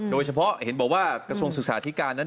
โดยเฉพาะเห็นบอกว่ากระทรวงศึกษาธิการนั้น